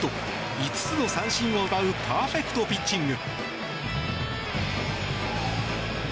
５つの三振を奪うパーフェクトピッチング。